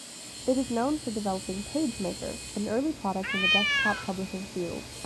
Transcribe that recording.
It is known for developing PageMaker, an early product in the desktop publishing field.